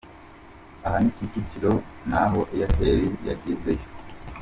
Aha ni Kicukiro naho Airtel yagezeyo.